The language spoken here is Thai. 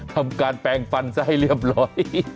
ทำการแปลงฟันซะให้เรียบร้อย